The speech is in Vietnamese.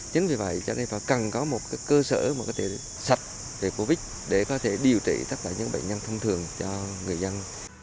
chính vì vậy cho nên phải cần có một cơ sở mà có thể sạch về covid để có thể điều trị tất cả những bệnh nhân thông thường cho người dân